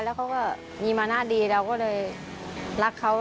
แล้วเขาก็มีมานะดีเราก็เลยรักเขา